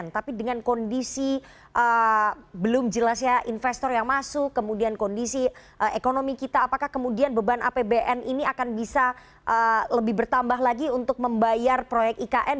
tapi dengan kondisi belum jelasnya investor yang masuk kemudian kondisi ekonomi kita apakah kemudian beban apbn ini akan bisa lebih bertambah lagi untuk membayar proyek ikn